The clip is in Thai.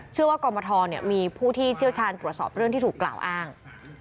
กรมทรมีผู้ที่เชี่ยวชาญตรวจสอบเรื่องที่ถูกกล่าวอ้าง